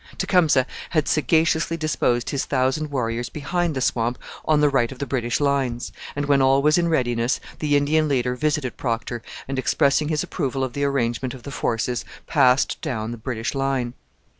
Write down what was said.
Tecumseh had sagaciously disposed his thousand warriors behind the swamp on the right of the British lines; and, when all was in readiness, the Indian leader visited Procter and, expressing his approval of the arrangement of the forces, passed down the British line.